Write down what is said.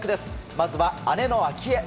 まずは姉の明愛。